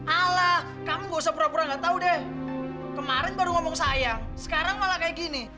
ala kamu gak usah pura pura nggak tahu deh kemarin baru ngomong sayang sekarang malah kayak gini